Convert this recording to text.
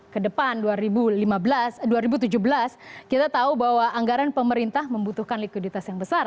kedepan dua ribu tujuh belas kita tahu bahwa anggaran pemerintah membutuhkan likuiditas yang besar